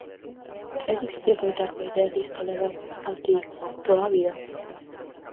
É difícil loitar coa idea disto leva aquí toda a vida?